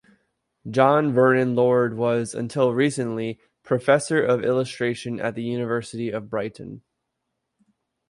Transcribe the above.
John Vernon Lord was, until recently, Professor of Illustration at the University of Brighton.